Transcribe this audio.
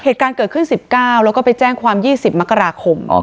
เหตุการณ์เกิดขึ้น๑๙แล้วก็ไปแจ้งความ๒๐มกราคม